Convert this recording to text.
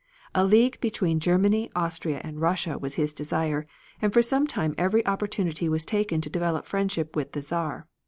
A league between Germany, Austria and Russia was his desire, and for some time every opportunity was taken to develop friendship with the Czar.